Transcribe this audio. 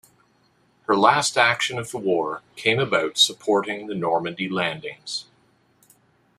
Her last action of the war came about supporting the Normandy Landings.